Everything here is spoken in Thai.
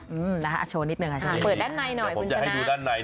อืมนะคะโชว์นิดหนึ่งค่ะเปิดด้านในหน่อยแต่ผมจะให้ดูด้านในนะ